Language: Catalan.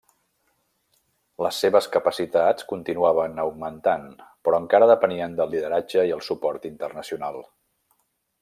Les seves capacitats continuaven augmentant, però encara depenien del lideratge i el suport internacional.